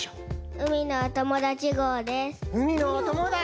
うみのおともだちごう！